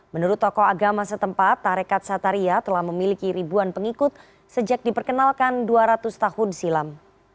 menurut tokoh agama setempat tarekat sataria telah memiliki ribuan pengikut sejak diperkenalkan dua ratus tahun silam